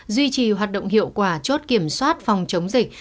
duy trì hoạt động hiệu quả chốt kiểm soát phòng chống dịch